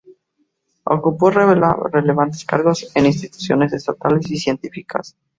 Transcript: Ocupó relevantes cargos en instituciones estatales y científicas.